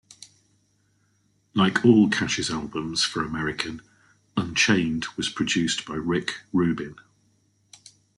Like all Cash's albums for American, "Unchained" was produced by Rick Rubin.